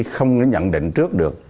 không nhận định trước được